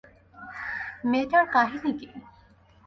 মেয়েটার কাহিনী কী?